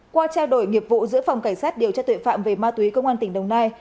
qua trao đổi nghiệp vụ giữa phòng cảnh sát điều tra tuệ phạm về ma túy công an tỉnh đồng nai